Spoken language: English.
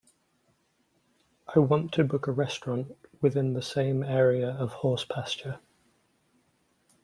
I want to book a restaurant within the same area of Horse Pasture.